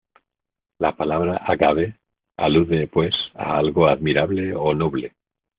La palabra "agave" alude, pues, a algo admirable o noble.